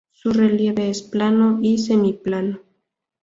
Su relieve es plano y semiplano.